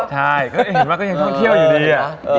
ใช่ก็ยังเห็นว่าก็ยังท่องเที่ยวอยู่ดี